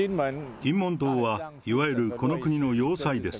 金門島はいわゆるこの国の要塞です。